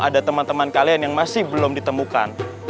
ada teman teman kalian yang masih belum ditemukan